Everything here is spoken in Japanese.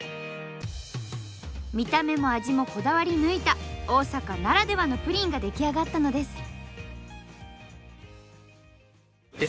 見た目も味もこだわり抜いた大阪ならではのプリンが出来上がったのです。